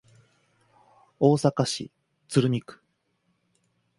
大阪市鶴見区